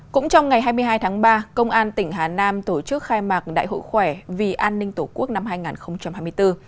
cũng trong ngày hai mươi hai tháng ba công an tỉnh hà nam tổ chức khai mạc đại hội khỏe vì an ninh tổ quốc năm hai nghìn hai mươi bốn